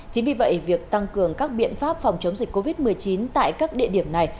chính vì vậy việc tăng cường các biện pháp phòng chống dịch covid một mươi chín tại các địa điểm này